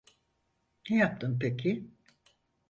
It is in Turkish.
Ne yaptın peki?